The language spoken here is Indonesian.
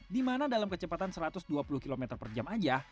dimana dalam kecepatan satu ratus dua puluh km per jam saja